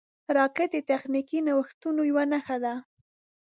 راکټ د تخنیکي نوښتونو یوه نښه ده